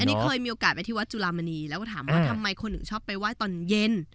อันนี้เคยมีโอกาสไปที่วัดจุลามณีแล้วก็ถามว่าทำไมคนถึงชอบไปไหว้ตอนเย็น